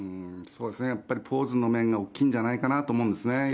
やっぱりポーズの面が大きいんじゃないかなと思うんですね。